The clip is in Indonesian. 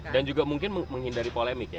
dan juga mungkin menghindari polemik ya